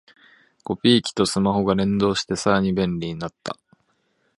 コピー機とスマホが連携してさらに便利になった